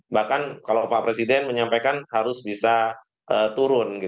bahkan kalau pak presiden menyampaikan harus bisa turun